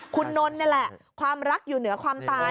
คุณนนท์นี่แหละความรักอยู่เหนือความตาย